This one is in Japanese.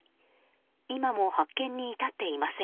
今も発見に至っていません。